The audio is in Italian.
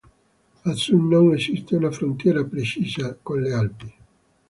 A sud non esiste una frontiera precisa con le Alpi.